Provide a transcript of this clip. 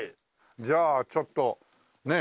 じゃあちょっとねえ